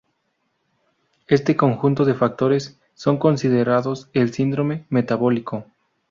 Este conjunto de factores son considerados el síndrome metabólico.